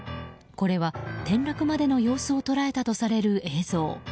これは転落までの様子を捉えたとされる映像。